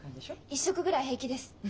一食ぐらい平気です。